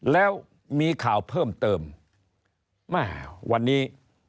แล้วมีข่าวเพิ่มเติมแม่วันนี้